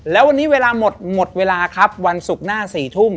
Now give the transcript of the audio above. แล้ววันนี้เวลาหมดหมดเวลาครับวันศุกร์หน้า๔ทุ่ม